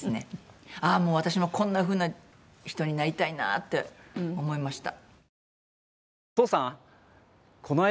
ああー私もこんなふうな人になりたいなって思いました。